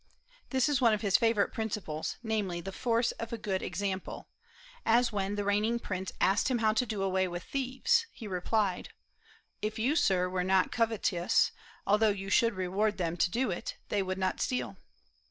This is one of his favorite principles; namely, the force of a good example, as when the reigning prince asked him how to do away with thieves, he replied: "If you, Sir, were not covetous, although you should reward them to do it, they would not steal."